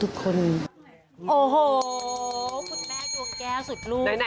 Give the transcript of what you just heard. โอ้โฮคุณแม่ควรดวงแก๊วสุดรูป